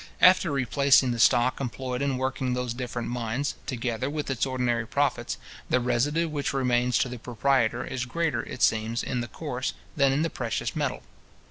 After replacing the stock employed in working those different mines, together with its ordinary profits, the residue which remains to the proprietor is greater, it seems, in the coarse, than in the precious metal.